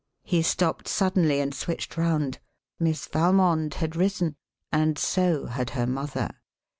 "] He stopped suddenly and switched round. Miss Valmond had risen and so had her mother.